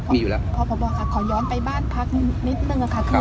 พ่อบอบอบขอย้อนไปบ้านพักนิดนึงค่ะ